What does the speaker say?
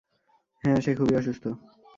হ্যাঁ, সে খুবই অসুস্থ।